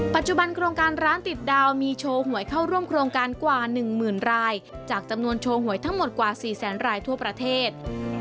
ปัจจุบันโครงการร้านติดดาวมีโชว์หวยเข้าร่วมโครงการกว่า๑หมื่นรายจากจำนวนโชว์หวยทั้งหมดกว่า๔แสนรายทั่วประเทศ